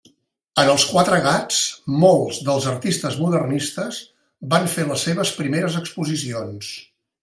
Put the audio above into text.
En Els Quatre Gats molts dels artistes modernistes van fer les seves primeres exposicions.